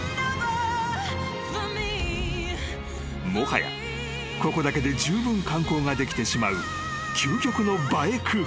［もはやここだけでじゅうぶん観光ができてしまう究極の映え空港］